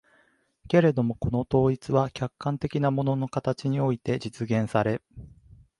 けれどもこの統一は客観的な物の形において実現され、